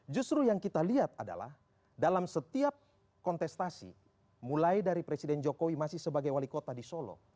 justru yang kita lihat adalah dalam setiap kontestasi mulai dari presiden jokowi masih sebagai wali kota di solo